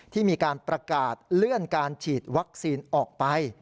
ที่มีการประกาศเลื่อนการฉีดวัคซีนออกไป